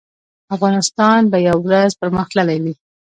افغانستان به یو ورځ پرمختللی وي